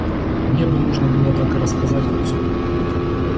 Мне бы нужно было так и рассказать, как всё было.